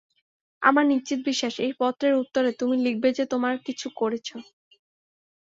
আমার নিশ্চিত বিশ্বাস, এই পত্রের উত্তরে তুমি লিখবে যে, তোমরা কিছু করেছ।